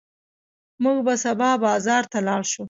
موږ به سبا بازار ته لاړ شو.